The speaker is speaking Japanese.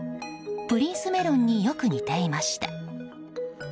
プリンスメロンによく似ていました。